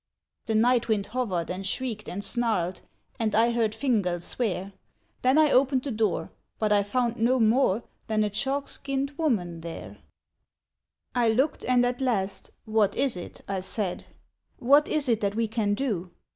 The night wind hovered and shrieked and snarled. And I heard Fingal swear ; Then I opened the door — but I found no more Than a chalk skinned woman there* 99 I04 RETURN OF MORGAN AND FINGAL I looked, and at last, " What is it ?" I said —'' What is it that we can do